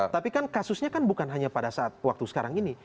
tapi kan kasusnya kan bukan hanya pada saat waktu sekarang ini